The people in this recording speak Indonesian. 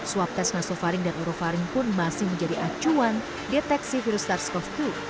swab tes nasofaring dan orofaring pun masih menjadi acuan deteksi virus sars cov dua